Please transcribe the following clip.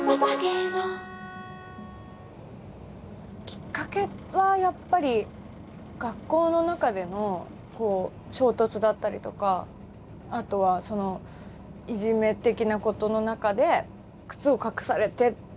きっかけはやっぱり学校の中での衝突だったりとかあとはいじめ的なことの中で靴を隠されて。